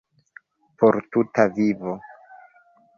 Por tuta vivo.